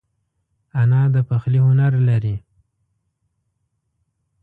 انا د پخلي هنر لري